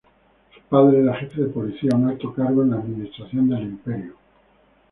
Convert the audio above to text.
Su padre era jefe de policía, un alto cargo en la administración del Imperio.